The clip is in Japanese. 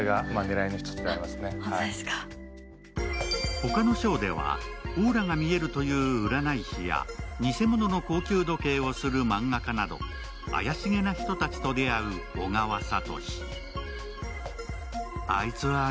他の章では、オーラが見えるという占い師や偽物の高級時計をする漫画家など、怪しげな人たちと出会う小川哲。